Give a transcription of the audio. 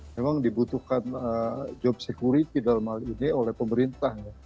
memang dibutuhkan job security dalam hal ini oleh pemerintah